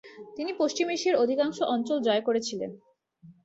তিনি পশ্চিম এশিয়ার অধিকাংশ অঞ্চল জয় করেছিলেন।